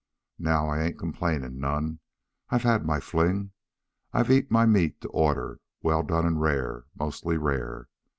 Now, I ain't complaining none. I've had my fling. I've eat my meat to order, well done and rare mostly rare.